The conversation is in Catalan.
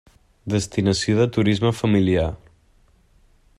Destinació de Turisme Familiar.